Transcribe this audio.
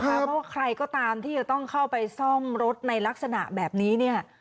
เพราะว่าใครก็ตามที่จะต้องเข้าไปซ่อมรถในลักษณะแบบนี้เนี่ย